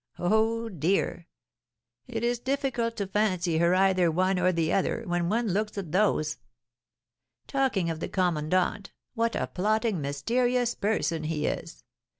Oh, dear! It is difficult to fancy her either one or the other, when one looks at those Talking of the commandant, what a plotting, mysterious person he is!